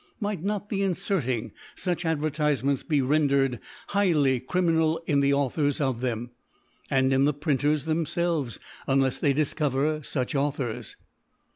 Might t}Ot the inftrting fuch Advertisements be rendered highly criminal ih the Authors of them, and in the Printers tfaem&Ives, utUe(s they difcover fuch Authors